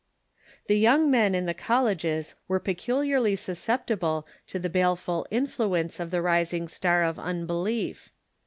The young men in the colleges were peculiarly susceptible to the baleful influence of the rising star of unbelief.